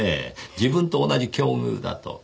自分と同じ境遇だと。